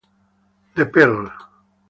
The Pearl